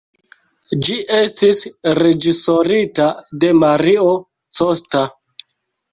Ĝi estis reĝisorita de Mario Costa.